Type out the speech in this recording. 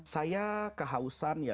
saya kehausan ya